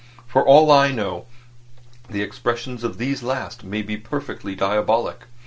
For all I know, the expression of these last may be perfectly diabolic.